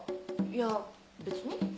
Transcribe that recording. いや別に。